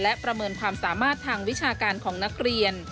และประเมินความสามารถทางวิชาการของนักเรียน